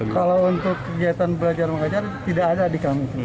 kalau untuk kegiatan belajar mengajar tidak ada di kami